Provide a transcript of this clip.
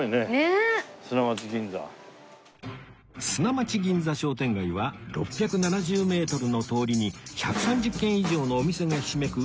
砂町銀座商店街は６７０メートルの通りに１３０軒以上のお店がひしめく